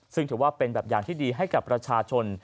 ซึ่งถือว่าเป็นแบบอย่างที่ดีให้กับประชาชน